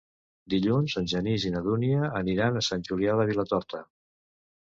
Dilluns en Genís i na Dúnia aniran a Sant Julià de Vilatorta.